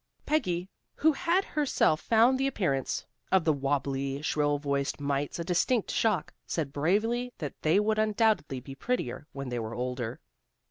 Peggy, who had herself found the appearance of the wobbly, shrill voiced mites a distinct shock, said bravely that they would undoubtedly be prettier when they were older.